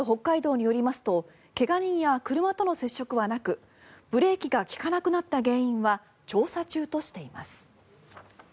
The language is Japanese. ＪＲ北海道によりますと怪我人や車との接触はなくブレーキが利かなくなった理由は調査中としています。